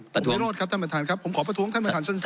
ประท้วงครับท่านประทานครับผมขอประท้วงท่านประทานสั้นสั้นครับ